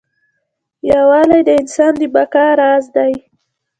یووالی د انسان د بقا راز دی.